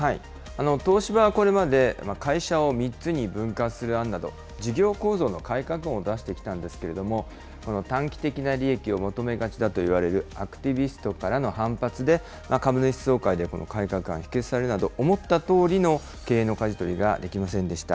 東芝はこれまで、会社を３つに分割する案など、事業構造の改革案を出してきたんですけれども、この短期的な利益を求めがちだといわれる、アクティビストからの反発で、株主総会でこの改革案、否決されるなど、思ったとおりの経営のかじ取りができませんでした。